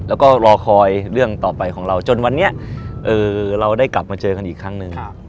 แล้วก็รอคอยเรื่องต่อไปของเราจนวันนี้เราได้กลับมาเจอกันอีกครั้งหนึ่ง